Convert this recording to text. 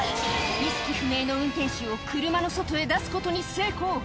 意識不明の運転手を車の外へ出すことに成功。